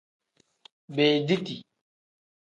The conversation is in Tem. Beediti.